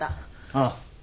ああ。